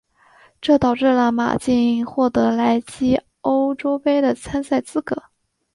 这导致了马竞获得来季欧洲杯的参赛资格。